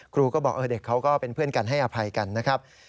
ครูก็บอกเด็กเขาก็เป็นเพื่อนกันให้อภัยกันนะครับ